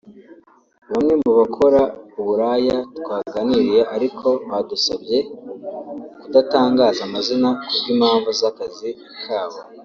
Bamwe mu bakora uburaya twaganiriye ariko badusabye kudatangaza amazina ku bw’impamvu z’akazi kabo